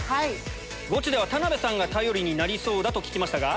ゴチでは田辺さんが頼りになりそうだと聞きました。